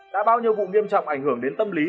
đã bao nhiêu vụ nghiêm trọng ảnh hưởng đến tâm lý